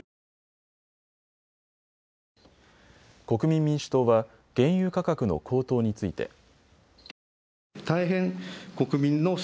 国民民主党は原油価格の高騰について。